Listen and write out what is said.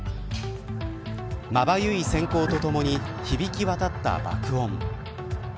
まばゆい閃光とともに響き渡った爆音。